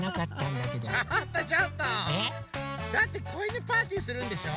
だってこいぬパーティーするんでしょ？